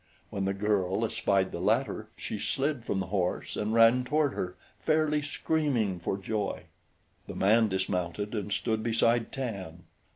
When the girl espied the latter, she slid from the horse and ran toward her, fairly screaming for joy. The man dismounted and stood beside Tan.